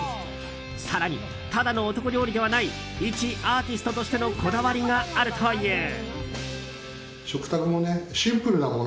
更に、ただの男料理ではないいちアーティストとしてのこだわりがあるという。